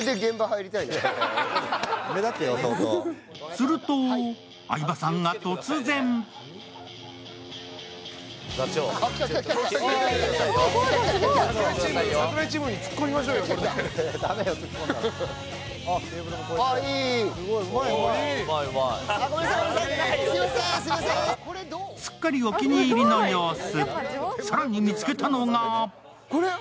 すると相葉さんが突然すっかりお気に入りの様子。